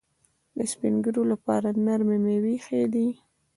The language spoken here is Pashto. د سپین ږیرو لپاره نرمې میوې ښې دي.